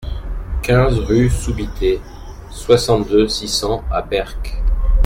quinze rue Soubitez, soixante-deux, six cents à Berck